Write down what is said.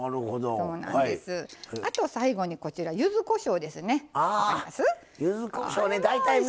あと、最後にゆずこしょうですね。